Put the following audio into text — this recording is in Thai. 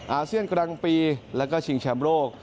อาเซียนกลางปีแล้วก็ชิงแชมป์โลก